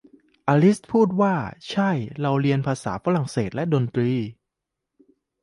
อลิซพูดว่า ใช่ พวกเราเรียนภาษาฝรั่งเศสและดนตรี